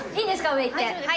上行って。